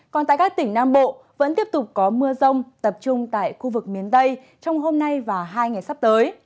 còn tại các tỉnh nam bộ vẫn tiếp tục có mưa rông tập trung tại khu vực miền tây trong hôm nay và hai ngày sắp tới